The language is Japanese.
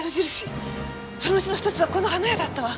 そのうちの１つはこの花屋だったわ。